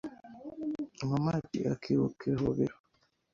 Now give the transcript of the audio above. Nkomati akibuka ivubiro